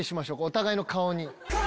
お互いの顔に。